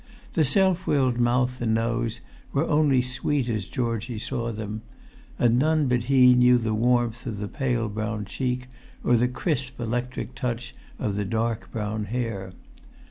The self willed mouth and nose were only sweet as Georgie saw them; and none but he knew the warmth of the pale brown cheek or the crisp electric touch of the dark brown hair.